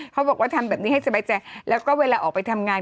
เขาบอกว่าทำแบบนี้ให้สบายใจแล้วก็เวลาออกไปทำงาน